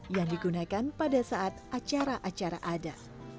yang digunakan pada saat acara acara ada